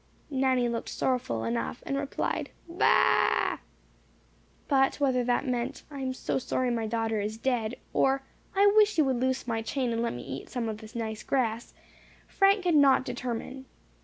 Nanny looked sorrowful enough, and replied, "Baa!" But whether that meant, "I am so sorry my daughter is dead," or, "I wish you would loose my chain, and let me eat some of this nice grass," Frank could not determine.